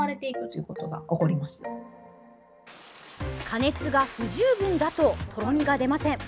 加熱が不十分だととろみが出ません。